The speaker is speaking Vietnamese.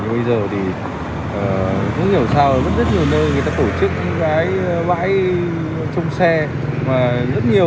nhưng bây giờ thì